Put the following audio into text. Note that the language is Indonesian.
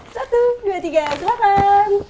satu dua tiga silahkan